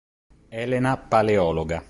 Elena Paleologa